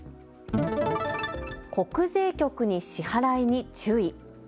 国税局に支払いに注意。